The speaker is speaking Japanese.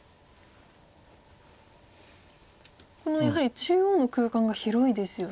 やはり中央の空間が広いですよね。